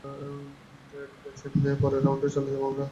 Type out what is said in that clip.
ঠিক আছে, পরের রাউন্ডে চলে যাবো আমরা!